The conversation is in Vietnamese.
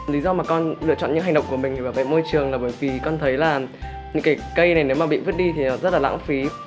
lý do mà con lựa chọn những hành động của mình để bảo vệ môi trường là bởi vì con thấy là những cái cây này nếu mà bị vứt đi thì rất là lãng phí